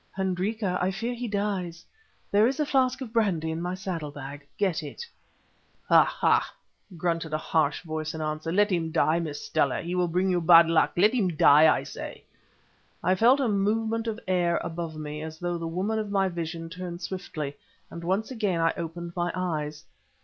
"Hendrika, I fear he dies; there is a flask of brandy in my saddle bag; get it." "Ah! ah!" grunted a harsh voice in answer; "let him die, Miss Stella. He will bring you bad luck—let him die, I say." I felt a movement of air above me as though the woman of my vision turned swiftly, and once again I opened my eyes.